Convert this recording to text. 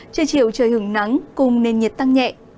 trời chiều trời hứng nắng cùng nền nhiệt tăng nhẹ